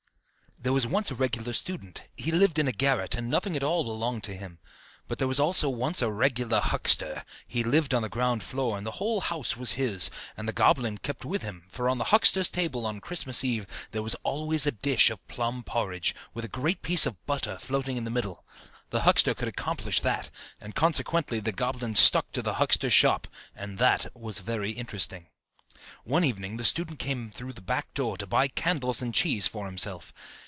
There was once a regular student: he lived in a garret, and nothing at all belonged to him; but there was also once a regular huckster: he lived on the ground floor, and the whole house was his; and the goblin kept with him, for on the huckster's table on Christmas Eve there was always a dish of plum porridge, with a great piece of butter floating in the middle. The huckster could accomplish that; and consequently the goblin stuck to the huckster's shop, and that was very interesting. [Illustration: THE STUDENT'S BARGAIN.] One evening the student came through the back door to buy candles and cheese for himself.